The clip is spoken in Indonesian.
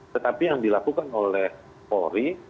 tetapi yang dilakukan oleh polri